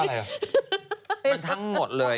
มันทั้งหมดเลย